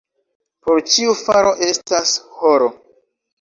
Por ĉiu faro estas horo.